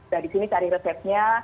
dari sini cari resepnya